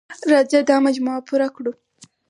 راځه دا مجموعه پوره کړو.